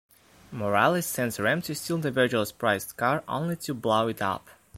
Morales sends Ram to steal the Virgillo's prized car, only to blow it up.